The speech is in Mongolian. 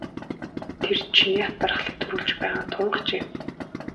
Тэр чиний атаархлыг төрүүлж байгаа нь тун хачин юм.